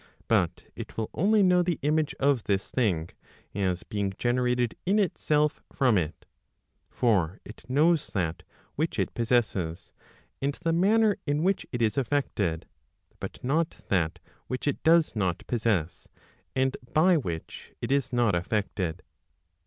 But it will only know the image of this thing, as being generated in itself from it. For it knows that which it possesses, and the manner in which it is affected, but not that which it does not possess, and by which it is not affected.